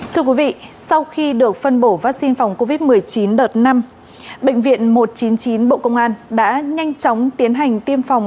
thưa quý vị sau khi được phân bổ vaccine phòng covid một mươi chín đợt năm bệnh viện một trăm chín mươi chín bộ công an đã nhanh chóng tiến hành tiêm phòng